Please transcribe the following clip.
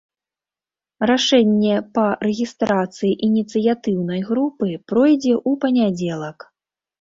Рашэнне па рэгістрацыі ініцыятыўнай групы пройдзе ў панядзелак.